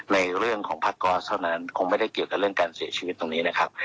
ในเรื่องของผ้าก๊อสเท่านั้นคงไม่ได้เกี่ยวกับเรื่องการเสียชีวิตตรงนี้นะครับ